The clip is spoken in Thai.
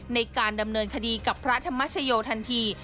ในการดำเนินคดีกับพระธรรมชโยทันที